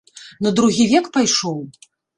На другі век пайшоў?